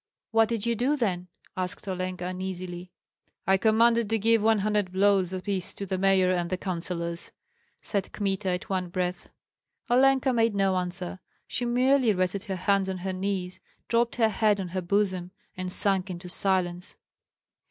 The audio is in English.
"What did you do then?" asked Olenka, uneasily. "I commanded to give one hundred blows apiece to the mayor and the councillors," said Kmita, at one breath. Olenka made no answer; she merely rested her hands on her knees, dropped her head on her bosom, and sank into silence.